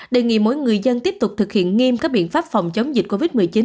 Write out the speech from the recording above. đề nghị mỗi người dân tiếp tục thực hiện nghiêm các biện pháp phòng chống dịch covid một mươi chín